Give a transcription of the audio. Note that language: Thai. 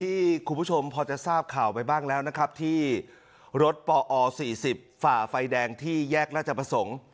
ที่คุณผู้ชมพอจะทราบข่าวไปบ้างแล้วนะครับที่รถปอ๔๐ฝ่าไฟแดงที่แยกราชประสงค์